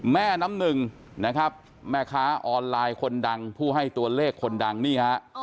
แม่น้ำหนึ่งนะครับแม่ค้าออนไลน์คนดังผู้ให้ตัวเลขคนดังนี่ฮะ